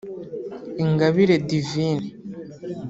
Ingabire Divine